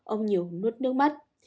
ông nhiều nuốt nước mắt